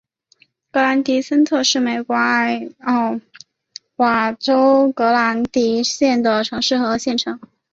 格兰迪森特是美国艾奥瓦州格兰迪县的城市和县城。